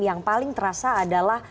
yang paling terasa adalah